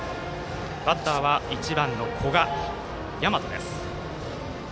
バッターは１番の古賀也真人。